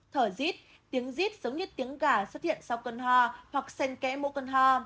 thở dít tiếng dít giống như tiếng gà xuất hiện sau cơn ho hoặc sen kẽ mũ cơn ho